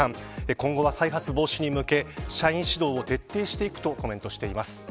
今後は再発防止に向け社員指導を徹底していくとコメントしています。